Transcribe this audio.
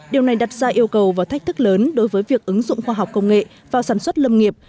điều này đặt ra yêu cầu và thách thức lớn đối với việc ứng dụng khoa học công nghệ vào sản xuất lâm nghiệp